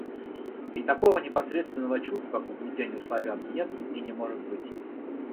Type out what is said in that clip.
И такого непосредственного чувства к угнетению Славян нет и не может быть.